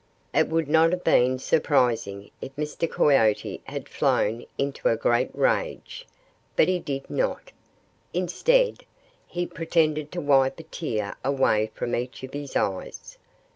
It would not have been surprising if Mr. Coyote had flown into a great rage. But he did not. Instead, he pretended to wipe a tear away from each of his eyes.